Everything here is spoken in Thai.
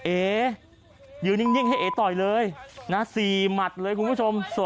เอ๋ยืนนิ่งให้เอ๋ต่อยเลยนะ๔หมัดเลยคุณผู้ชม